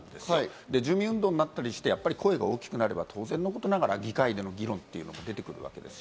住民運動になったりして、声が大きくなれば、当然のことながら議会でも議論が出てくるわけです。